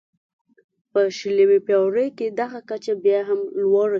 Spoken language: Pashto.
په شلمې پېړۍ کې دغه کچه بیا هم لوړه شوه.